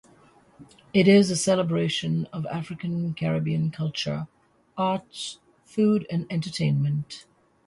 It is a celebration of African-Caribbean culture, arts, food and entertainment.